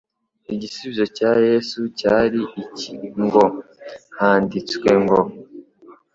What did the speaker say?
igisubizo cya Yesu cyari iki ngo: "handitswe ngo".